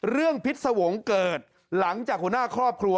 เรื่องพิษสวงเกิดหลังจากหัวหน้าครอบครัว